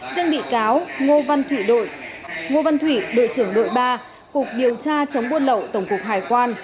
dương bị cáo ngô văn thủy đội ba cục điều tra chống buôn lậu tổng cục hải quan